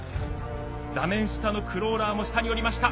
座面下のクローラーも下に下りました。